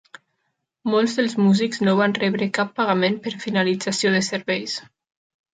Molts dels músics no van rebre cap pagament per finalització de serveis.